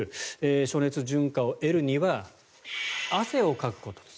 暑熱順化を得るには汗をかくことです。